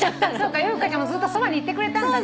優香ちゃんもずっとそばにいてくれたんだね。